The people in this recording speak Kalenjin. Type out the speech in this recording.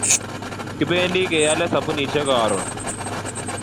Kipendi keyale sabunishek karun